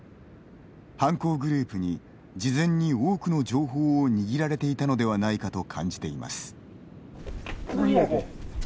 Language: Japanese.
犯行グループに事前に多くの情報を握られていたのではないかと感じています。